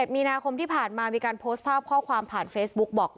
มีนาคมที่ผ่านมามีการโพสต์ภาพข้อความผ่านเฟซบุ๊กบอก